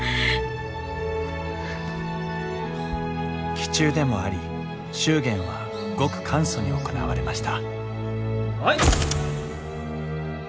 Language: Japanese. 忌中でもあり祝言はごく簡素に行われましたはい。